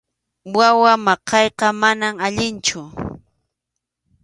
Wawa maqayqa manam allinchu.